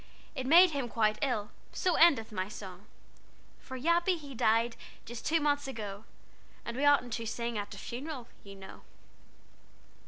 It made him quite ill, So endeth my song. "For Yappy he died Just two months ago, And we oughtn't to sing At a funeral, you know."